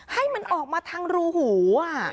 ให้มันออกมาทางรูหู